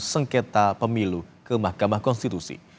sengketa pemilu ke mahkamah konstitusi